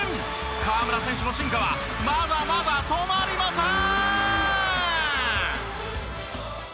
河村選手の進化はまだまだ止まりません！